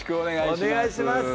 お願いします